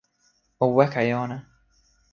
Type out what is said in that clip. o weka e ona.